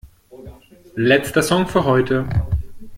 Letzter Song für heute!